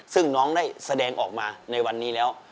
ซึ่งน้องได้แสดงออกมาในวันนี้แล้ว